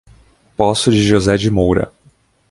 Poço de José de Moura